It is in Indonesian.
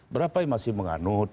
berapa yang masih menganut